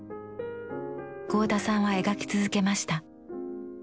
合田さんは描き続けました。